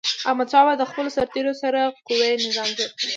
احمدشاه بابا د خپلو سرتېرو سره قوي نظام جوړ کړ.